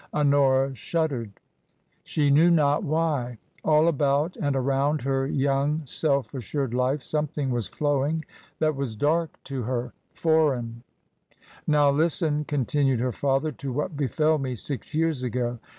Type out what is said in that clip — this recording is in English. Honora shuddered."' She knew not why. All about and around her young, self assured life something was flowing that was dark to her — foreign. TRANSITION. 23 " Now, listen," continued her father, " to what befel me six years ago.